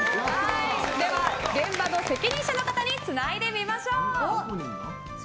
現場の責任者の方につないでみましょう。